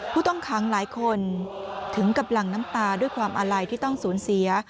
ผู้ต้องขังหลายคนถึงกับหลั่งน้ำตาด้วยความอาลัยที่ต้องสูญเสีย